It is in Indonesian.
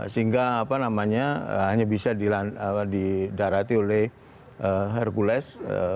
sehingga hanya bisa didarati oleh hercules